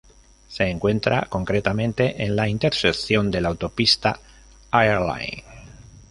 Se encuentra concretamente en la intersección de la autopista Airline.